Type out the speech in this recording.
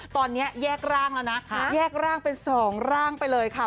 ตอนนี้แยกร่างแล้วนะแยกร่างเป็น๒ร่างไปเลยค่ะ